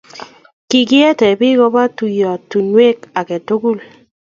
kikiete biik koba tuyiotinwek age tugul